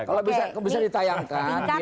kalau bisa ditayangkan